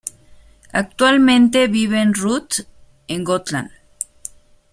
Actualmente vive en Rute, en Gotland.